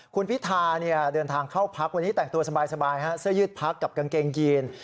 คุณพิธาเดินทางเข้าพักวันนี้แต่งตัวสบายเสื้อยืดพักกับกางเกงยีน